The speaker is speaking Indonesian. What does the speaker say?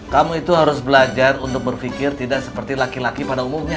kamu itu harus belajar untuk berpikir tidak seperti laki laki pada umumnya